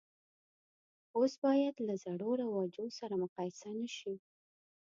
اوس باید له زړو رواجو سره مقایسه نه شي.